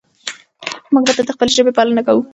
موږ به تل د خپلې ژبې پالنه کوو.